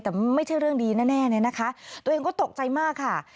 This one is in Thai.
แต่ไม่ใช่เรื่องดีแน่เนี่ยนะคะตัวเองก็ตกใจมากค่ะ